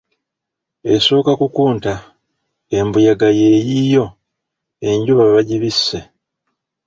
"Esooka kukunta, embuyaga yeeyiyo, enjuba bagibisse."